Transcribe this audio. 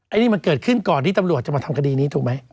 อันนี้มันเกิดขึ้นก่อนที่ตำรวจจะมาทำคดีนี้ถูกไหม